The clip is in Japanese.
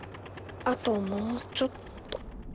あともうちょっと。